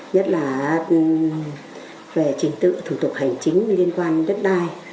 nhất là về trình tự thủ tục hành chính liên quan đến đất đai